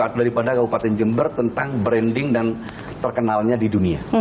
lebih dulu dari kabupaten jember tentang branding dan terkenalnya di dunia